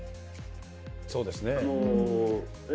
そうですね。